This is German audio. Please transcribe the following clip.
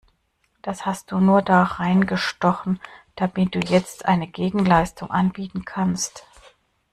Das hast du nur da reingestochen, damit du jetzt eine Gegenleistung anbieten kannst!